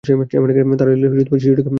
তাঁরা এলে শিশুটিকে হস্তান্তর করা হবে।